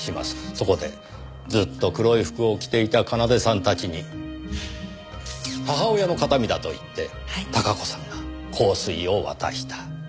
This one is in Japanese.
そこでずっと黒い服を着ていた奏さんたちに母親の形見だと言って孝子さんが香水を渡した。